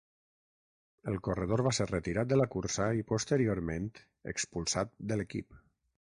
El corredor va ser retirat de la cursa i posteriorment expulsat de l'equip.